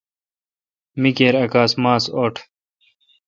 می کیر اؘ کاس ماس اوٹ۔